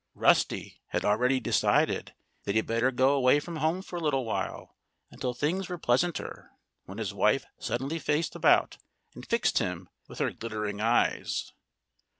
Rusty had already decided that he had better go away from home for a little while, until things were pleasanter, when his wife suddenly faced about and fixed him with her glittering eyes.